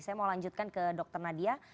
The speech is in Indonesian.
saya mau lanjutkan ke dr nadia